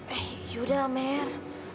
eh yaudah mer